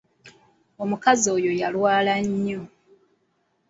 Omukazi oyo yalwala nnyo.